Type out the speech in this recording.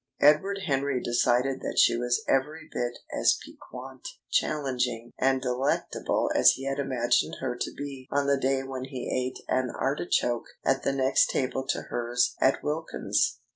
Edward Henry decided that she was every bit as piquant, challenging, and delectable as he had imagined her to be on the day when he ate an artichoke at the next table to hers at Wilkins's.